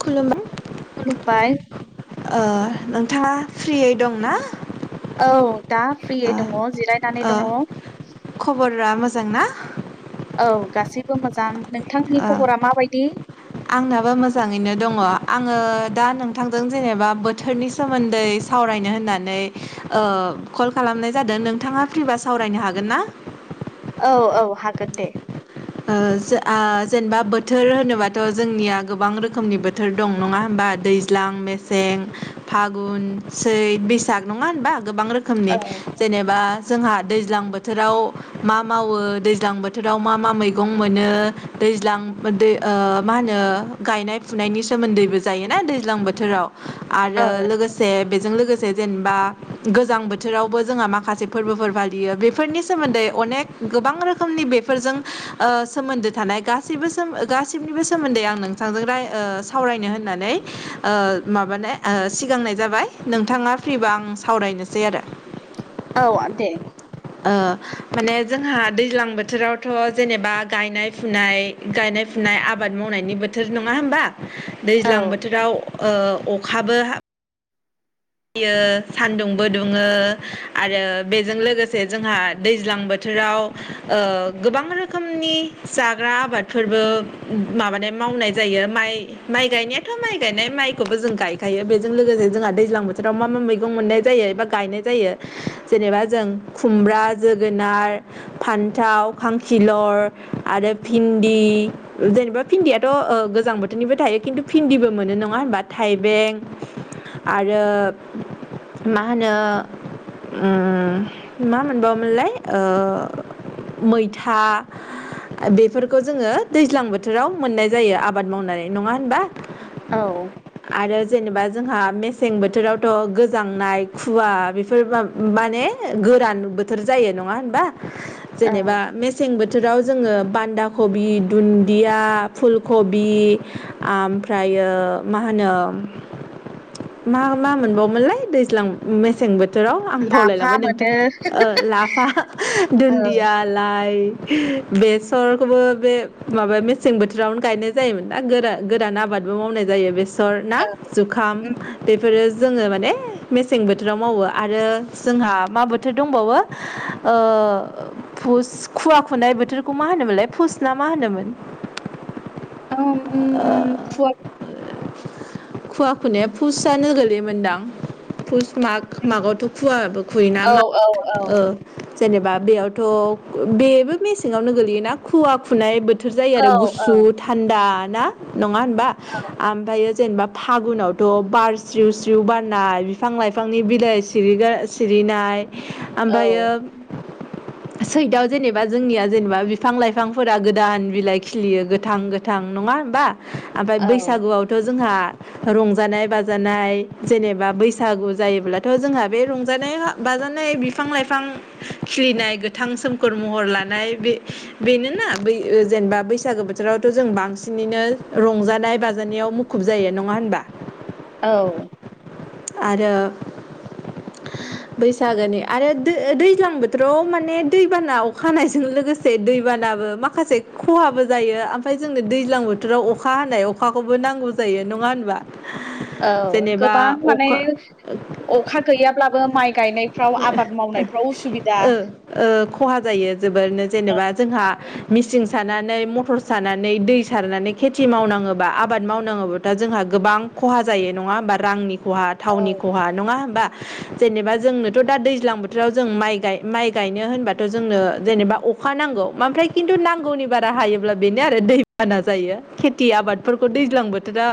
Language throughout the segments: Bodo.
खुलुमबाय खुलुमबाय। ओ नोंथांङा फ्रियै दंना? औ दा फ्रियै दङ जिरायनानै दङ। मोजांना? औ गासैबो मोजां नों आ आंनाबो मोजांङैनो दङ आंङो दा नोंथांजों जेनेबा बोथोरनि सोमोन्दै सावरायनो होननानै ओ कल खालाम नाय जादों नोंथांङा फ्रि बा सावरायनो हागोन ना? औ औ हागोन दे। ओ आ जेनेबा बोथोर होनोबाथ' जोंनिया गोबां रोखोमनि बोथोर दं नङा होमबा? दैज्लां मेसें फागुन सैथ बैसाग नङा होनबा? गोबां रोखोमनि औ जेनेबा जोंहा दैज्लां बोथोराव मा मावो दैज्लां बोथोराव मा मा मैं मैगं मोनो दैज्लां ओ मा होनो गायनाय फुनायनि सोमोन्दैबो जायोना। ए दैज्लां बोथोराव आरो औ लोगोसे बेजों लोगोसे जेजेनेबा गोजां बोथोरावबो जोंहा माखासे फोरबोफोर फालियो बेफोरनि सोमोन्दै अनेक गोबां रोखोमनि बेफोरजों ओ सोमोन्दो थानाय गासैबो गासैनिबो सोमोन्दै आं नोंथांजों राय ओ सावरायनो होननानै ओ माबानाय ओ सिगांनाय जाबाय नोंथाङा फ्रिबा आं सावरायनोसै आरो। औ आ दे। ओ माने जोंहा दैज्लां बोथोरावथ' जेनेबा गायनाय फुनाय गायनाय फु फुनाय आबाद मावनायनि बोथोर नङा होमबा? औ दैज्लां बोथोराव ओ अखाबो फैयो सान्दुंबो दुङो आरो बेजों लोगोसे जोंहा दैज्लां बोथोर राव बोथोराव ओ गोबां रोखोमनि जाग्रा आबादफोरबो माबानाय माव मावनाय जायो माइ माइ गायनायाथ' माइ गायनाय माइखौबो जों गायखायो बेजों लोगोसे जोंहा दैज्लां बोथो आव मा मा मैगं मोननाय जायो एबा गायनाय जायो जेनेबा जों खुमब्रा जोगोनार फान्थाव खांखिलर आरो भिन्दि जेनेबा भिन्दियाथ' ओ गोजां बोथोरनिबो थायो खिन्थु भिन्दिबो मोनो नङा होनबा थाइबें आरो मा होनो मा मोनबावोमोनलाय ओ मैथा बेफोरखौ जोङो दैज्लां बोथोराव मोननाय जायो आबाद मावनानै नङा होनबा। औ आरो जेनेबा जोंहा मेसें बोथोराव थ' गोजांनाय खुवा बेफोर माने गोरान बोथोर जायो नङा होनबा औ जेनेबा मेसें बोथोर बोथोराव जोङो बान्दा कबि दुन्दिया फुल कबि ओमफ्राय एयो मा होनो मा मा मोनबावोनलाय दैज्लां मसें बोथ बोथोराव आं लाफा बावलायलांबाय मोनो नोंथोर लाफा औ दुन्दिया लाइ बेसरखौबो बे माबा मेसें बोथोरावनो गायनाय जायोमोन दा गोरा गोरान आबाद। आबादबो मावनाय जायो बेसर ना जुखाम। बेफोरो जोङो माने मेसें बोथोराव मावो आरो जोंहा मा बोथोर दंबावो। ओ फुष खुवा खुनाय बोथोरखौ मा होनोमोनलाय फुस ना मा होनोमोन। औ ओम फुआ खुवा खुनो फुसआानो गोलैयोमदां। माग मागआवथ' खुवाबो खुयोना औ मा औ औ ओ जेनेबा बेयावथ' बेबो मेसेङावनो गोगलैयोना खुवा खुनाय बोथ बोथोर जायो औ आरो औ गुसु थान्दा ना नङा होनबा ओमफ्रायायो। जेनेबा फागुनावथ' बार स्रिउ स्रिउ बारनाय बिफां लाइफांनि बिलाइ सिरि सिरिनाय ओमफ्रायो औ सैदआव जेनेबा जोंनिया जेनेबा बिफां लाइफांफोरा गोदान बिलाइ खिलियो गोथां गोथां। नङा होमबा ओमफ्राय औ बैसागुआव थ' जोंहा रंजानाय बाज बाजानाय बैसागु जायोब्लाथ' जोंहा बे रंजानाय बाजानाय बिफां लाइफां खिलिनाय गोथां सोमखोर महर लानाय बे बेनोना बै जेनेबा बैसागु बैसागो बोथोरावथ' जों बांसिनैनो रंजानाय बाजानायाव मुखुब जायो नङा होनबा। औ आरो बैसागोनि आरो दैज्लां बोथोराव माने दैबाना अखानायजों लोगोसे दैबानाबो माखासे खहाबो जायो ओमफ्राय जोंनो दैज्लां बोथोराव अखा हानाय अखा खौबो नांगौ जायो नङा होनबा। औ जेनेबा गोबां माने अखा अखा गैयाब्लाबो माइ गायनायफ्राव आबाद मावनायफ्राव उसुबिदा। ओ खहा जायो जोबोरनो जेनेबा जोंहा मिसिं सानानै मथर सानानै दै सारनानै खेथि मावनाङोबा आबाद मावनाङोबाथा जोंहा गोबां खहा जायो। जायो नङा होमबा रांनि खहा औ थावनि खहा नङा होनबा। जेनेबा जोंनोथ दा दैज्लां बोथोराव जों माइ गाय माय गायनो होनबाथ जोंनो जेनेबा अखा अखा नांगौ आमफ्राय किन्तु नांगौनि बारा हायोब्ला बेनो आरो दैबाना जायो खेति आबादफोरखौ दैज्लां बोथोरा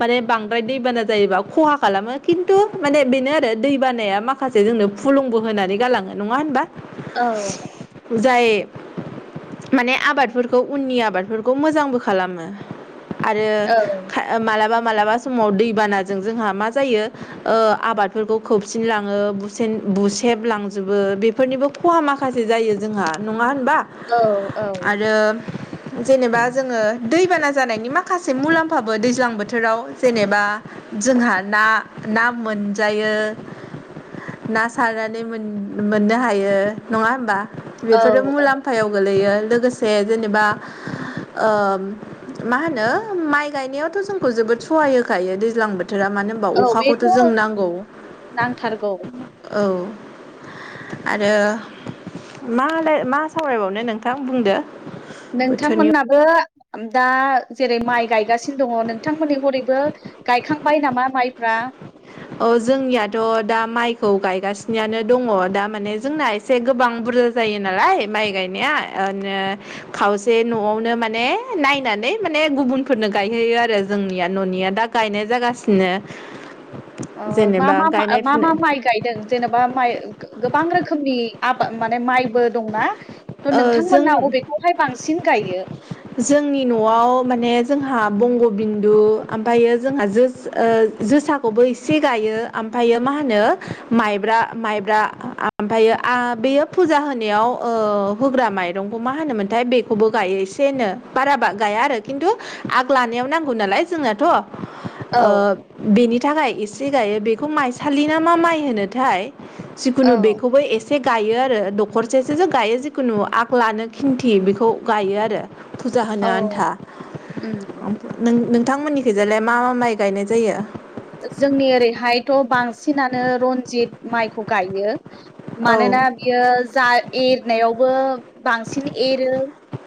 माने बां फ्राय दैबाना जायोबा खहा खालामो खिन्थु माने बेनो आरो दैबानाया माखासे जोंनो फुलुंबो होयो। होनानै गालाङो नङा होनबा। औ जाय माने आबादफोरखौ उननि आबादफोरखौ मोजांबो खालामो। आरो औ खा मालाबा मालाबा समाव दैबानाजों जोंहा मा जायो ओ आबादफोरखौ खोबसिनलाङो बुसेन‌‌ बुसि बलांजोबो बेफोरनिबो खहा माखासे जायो जोंहा नङा होनबा औ आरो जेनेबा जोङो दैबाना जानायनि माखासे मुलाम्फाबो दैज्लां बोथोराव जेनेबा जोंहा ना ना मोनजायो ना सारनानै मोन-मोननो हायो नङा होनबा औ बेफोरो औ मुलाम्फायाव गोलैयो लोगोसे जेनेबा ओम मा होनो माइ गायनायावथ जोंखौ जोबोद सहाय होखायो दैज्लां बोथोरा मानो होमबा औ अखाखौथ' बेथ' जोंनो नांगौ नांथारगौ औ आरो मालाय मा सावरायबावनो नोंथां बुंदो नोंथां बोथोरनि मोननाबो दा जेरै माइ गायगासिनो दङ नोंथांमोननि हरैबो गायखांबाय नामा माइफ्रा आ अ जोंनियाथ‌' दा माइखौ गायगासिनोआनो दङ दा माने जोंना एसे गोबां बुरजा जायो नालाय माइ गायनाया ओ नो खावसे नआवनो माने नायनानै माने गुबुनफोरनो गायहोयो आरो जोंनिया ननिया दा गायनाय जागासिनो औ औ मा जेनेबा मा गायनाय मा मा फुनाय माइ गायदों जेनेबा माइ गोबां रोखोमनि आबा माने माइबो दंना थ' ओ जों नोंथांमोना अबेखौहाय बांसिन गायो जोंनि नआव माने जोंहा बंगबिन्दु आमफायो जोंहा जोस ओ जोसाखौबो एसे गायो आम फायो मा होनो माइब्रा माइब्रा आमफायो आ बेयो फुजा होनायाव ओ होग्रा माइरंखौ मा होनोमोनथाय बेखौबो गायो एसेनो बारा बा गाया आरो खिन्थु आगलानाया नांगौ नालाय जोंनाथ ओ औ बेनि थाखाय एसे गायो बेखौ माइसालि ना मा माइ होनोथाय जिखुनु औ बेखौबो एसे गायो आरो दखरसेसोसो गायो जिखुनु आगलानो खिन्थि बेखौ गायो आरो फुजा होनो औ आन्था उम ओम नों नों थां मोननिखैजालाय मा मा माइ गायनाय जायो जोंनि ओरैहायथ' बांसिनानो रनजित माइखौ गायो औ मानोना बियो जा एरनायावबो बांसिन एरो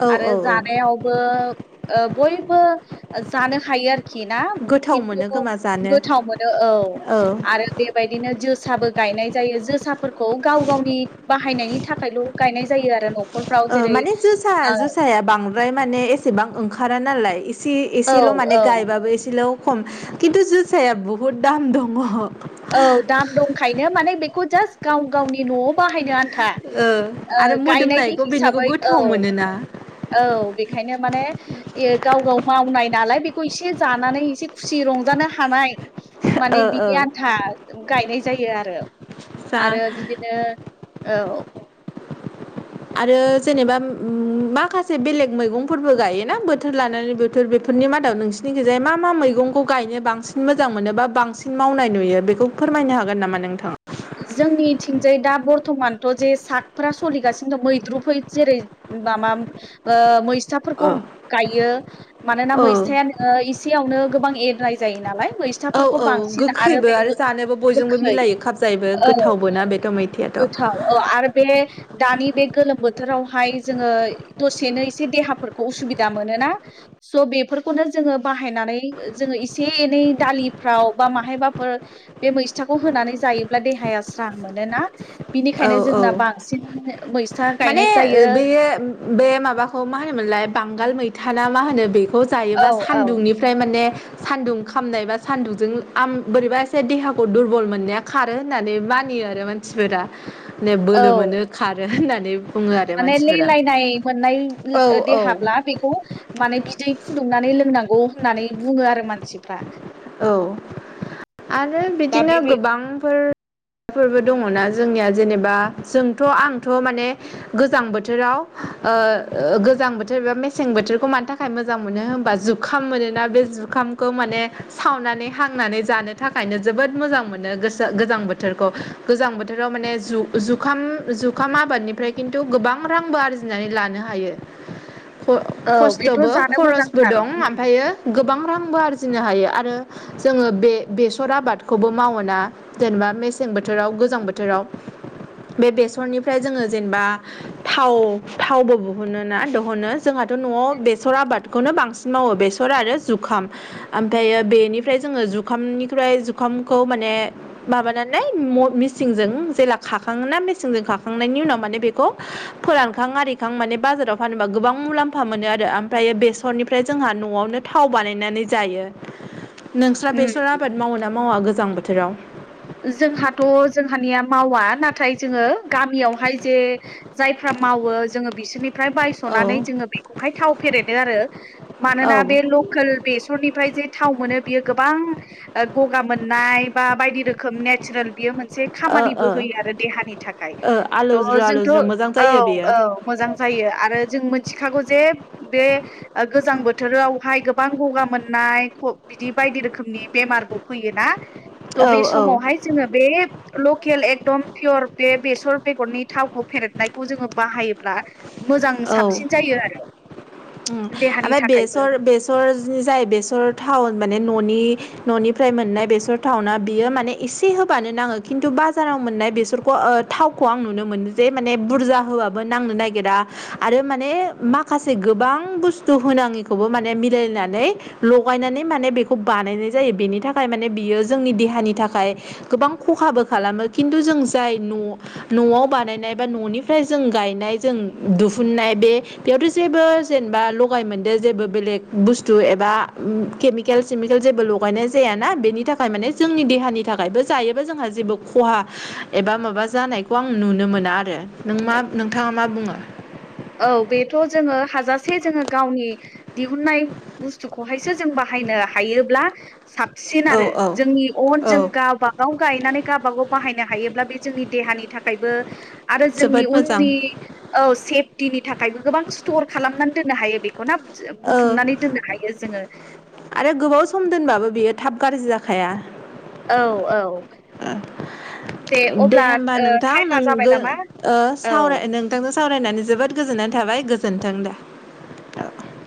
औ आरो औ जानायावबो ओ बयबो जानो हायो आरो खि ना गोथाव मोनो खिन्थु खोमा जानो गोथाव मोनो औ औ आरो बेबायदिनो जोसाबो गायनाय जायो जोसाफोरखौ गाव गावनि बाहायनायनि थाखायल गायनाय जायो आरो न'खरफ्राव ओ जेरै माने जोसा जोसाया बांद्राय माने एसेबां ओंखारा नालाय एसे ओ एसेल माने औ गायबाबो एसेल खम खिन्थु जोसाया बुहुद दाम दङ औ दाम दंखायनो माने बेखौ जास्ट गाव गावनि नआव बाहायनो आ न्था ओ ओ आरो गायनायनि मोदोमनायखौ बेनिखौ हिसाबै औ गोथाव मोनोना औ बेखायनो माने इयो गाव गाव मावनाय नालाय बेखौ इसे जानानै एसे खुसि रंजानो हानाय ओ माने ओ बिनि आन्था गायनाय जायो आरो जा आरो बिदिनो औ आरो जेनेबा उम माखासे बेलेग मैगंफोरबो गायोना बोथोर लानानै बोथोर बे फोरनि मादाव नोंसिनिखैजाय मा मा मैगंखौ गायनो बांसिन मोजां मोनो बा बांसिन मावनाय नुयो बेखौ फोर मायनो हागोन नामा नोंथाङा? थ जे सागफ्रा सलिगासिनो दं मैद्रु फै जेरै मा माम ओ। साफोरखौ अ गायो मानोना औ मैस्थायानो ओ एसेयावनो गोबां एरनाय जायो नालाय। औ मैस्थाफोरखौ औ बांसिन गोखैबो बे आरो जानोबो बयजोंबो गोखै मिलायो खा औ गोथाव औ आरो बे। दानि बे गोलोम बोथोरावहाय जोङो दसेनो एसे देहाफोरखौ उसुबिदा मोनोना। स' बेफोरखौनो जोङो बाहायनानै जोङो एसे एनै दालिफ्राव बा माहायबाफोर। बे मैस्थाखौ होनानै जायोब्ला देहाया स्रां मोनोना। औ बिनिखायनो औ जोंना बांसिन मैस्था माने गायनाय जायो बेयो बे माबाखौ मा होनोमोन। लाय बांगाल मैथाना मा होनो बेखौ औ जायोबा औ सान्दुंनिफ्राय माने। सान्दुं खामनाय बा सान्दुंजों आम बोरैबा एसे देहाखौ दुरबल मोननाया खारो होननानै मा। नियो फैयो आरो मानसिफोरा मे औ बोलो मोनो खारो होननानै। बुङो आरो माने मानसिफोरा लेलायनाय औ मोननाय औ देहाब्ला बेखौ माने बिदै फुदुंनानै लों। नांगौ होननानै बुङो आरो मानसिफ्रा। औ आरो दा बिदिनो बेबाय गोबांफोर। माफोरबो दङना जोंनिया जेनेबा जोंथ' आंथ' माने गोजां बोथोराव। ओ गोजां बोथोर एबा मेसें बोथोरखौ मानि थाखाय मोजां मोनो होनबा जुखाम मोनोना बे जुखाम। खौ माने। सावनानै हांनानै जानो थाखायनो जोबोद मोजां मोनो गोसो गोजां बोथोरखौ गोजां बोथोर। बोथोराव माने जुखाम -जुखाम आबादनिफ्राय खिन्थु गोबां रांबो आरजिनानै लानो हायो। ख औ बेथ' खस्थ'बो जानो खरसबो मोजांथार दं उम ओमफ्रायो गोबां रांबो आरजिनो हायो। आरो जोङो बे बेसर आबादखौबो मावोना जेनेबा मेसें बोथोराव गोजां बोथोराव। दाव। बे बेसरनिफ्राय जोङो जेनेबा थाव थावबो दिहुनो ना दिहुनो जोंहा। दाथ'आव बेसर आबादखौनो बांसिन मावो बेसर आरो जुखाम जायो बेनिफ्राय जोङो जुखामनिफ्रा जुखामखौ माने माबानालाय मिसिं। जों जेला खाखाङोना मिसिंजों खाखांनायनि उनाव माने बेखौ फोरानखां आरिखां माने बाजाराव फानोबा गोबां मुलाम्फा मोनो आरो ओमफ्रायो बेसरनिफ्राय जोंहा न'आवनो थाव बानायनानै जायो। नोंस्रा उम बेसर आबाद मावो ना मावा गोजां बोथोराव? जोंहाथ' जोंहानिया मावा नाथाय जोङो गामियावहाय जे जायफ्रा मावो जोङो बिसोरनि। निफ्राय औ बायस'नानै जोङो बेखौहाय थाव फेरेदो आरो औ मानोना बे ओ लकेल बेसरनिफ्राय। जे थाव मोनो बियो गोबां गगा मोननाय बा बायदि रोखोम नेचारेल। बेयो मोनसे खामानिबो ओ होयो आरो देहानि थाखाय ओ थ आलौज्रो जोंथ' आलौज्रो मोजां औ जायो बेयो औ। मोजां जायो आरो जों मिथिखागौ। जे बे गोजां बोथोरावहाय गोबां गगा मोननाय बिदि बायदि रोखोम। नि बेमारबो फैयोना थ' औ बे समावहाय जोङो बे। लकेल एकदम पियर बे बेसर बेगरनि थावखौ फेरेदनायखौ जोङो बाहायोब्ला। मोजां साबसिन जायो आरो। उ देहानि ओमफ्राय थाखायबो बेसर बेसर जाय बेसर थाव। माने ननि न'निफ्राय मोननाय बेसर टावना बियो माने एसे होबानो नाङो खिन्थु बाजाराव। मोननायखौ ओ थावखौ आं नुनो मोनो जे बुरजा होआबो नांनो नागिरा आरो मा। माने माखासे। गोबां बुस्थु होनाङिखौ माने मिलायनानै लगायनानै माने बेखौ बानायनाय जायो बि। बेनि थाखाय माने बियो जोंनि देहानि थाखाय गोबां खहाबो खालामो खिन्थु जों जाय न' न'आव बानायनाय बा न'निफ्राय जों गायनाय जों दिुहुननाय बे बेयावथ' जेबो। जेबा लागाय मोनदेर जेबो बेलेक बुसथु एबा उ केेमिकेल सिमिके जेबो लगायनाय जाया। ना बेनि थाखाय माने जोंनि देहानि थाखायबो जायोबा जोंहा जेबो खहा एबा माबा जानाय। बेखौ आं नुनो मोना आरो नों मा नोंथाङा मा बुङो। औ बेथ' जों हाजासे जों गावनि दिहुननाय बुस्थुखौहायसो जों बाहा नो हायोब्ला साबसिन औ आरो औ जोंनि अन जों औ गावबागाव गायनानै गावबागाव बाहायनो हायोब्ला बे जोंनि दे देहानि थाखायबो आरो जोंनि जोबोद मोजां उननि औ से- पथिनि थाखायबो गोबां स्टर खालामनानै दोननो हायो बेखौ नाव औ---आरो गोबाव सम दोनबाबो बियो थाब गाज्रि जाखाया। औ औ [unintelligible] दे अब्ला होमबा ओ नोंथां टाइमा जाबाय नोंगो नामा ओ सावरा नोंथांजों [unintelligible] सावरायनानै जोबोद गोजोननाय थाबाय गोजोन्थों दे। [inaudible]